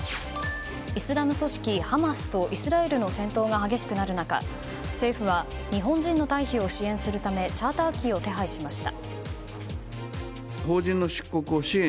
イスラム組織ハマスとイスラエルの戦闘が激しくなる中政府は日本人の退避を支援するためチャーター機を手配しました。